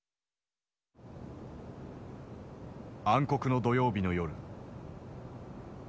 暗黒の土曜日の夜。